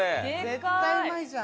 絶対うまいじゃん。